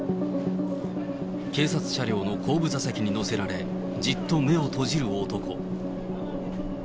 警察車両の後部座席に乗せられ、じっと目を閉じる男。